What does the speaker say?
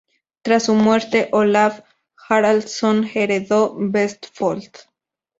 Tras su muerte Olaf Haraldsson heredó Vestfold.